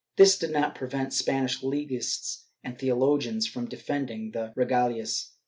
This did not prevent Spanish legists and theologians from defending the rega lias.